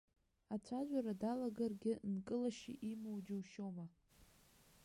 Ацәажәара далагаргьы нкылашьа имоу џьушьома!